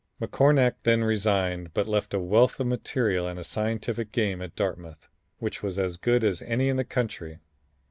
McCornack then resigned, but left a wealth of material and a scientific game at Dartmouth, which was as good as any in the country.